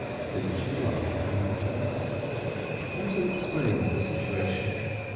Didn't she like the handkerchiefs?" Bertie explained the situation.